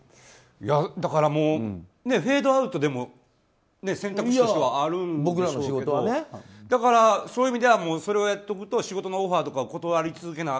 だからフェードアウトでも選択肢としてはあるんでしょうけどだから、そういう意味ではそれをやっておくと仕事のオファーとかを断り続けなあ